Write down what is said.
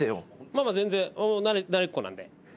まあまあ全然慣れっこなんで。